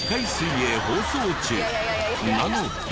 なので。